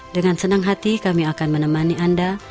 dengan senang hati kami akan menemani anda